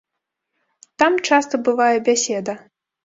Там часта бывае бяседа.